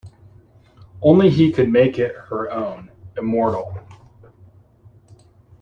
Only he could make it her own, immortal.